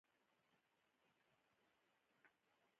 ایا د هغوی ملګري پیژنئ؟